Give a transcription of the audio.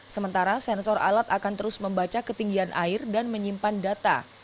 sementara sensor alat akan terus membaca ketinggian air dan menyimpan data